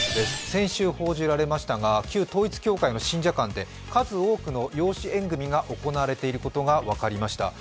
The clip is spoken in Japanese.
先週報じられましたが、旧統一教会の信者間で数多くの養子縁組が行われていることが分かりました。